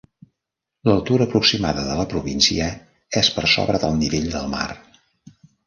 L'altura aproximada de la província és per sobre del nivell del mar.